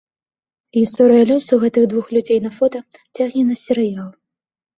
Гісторыя лёсу гэтых двух людзей на фота цягне на серыял.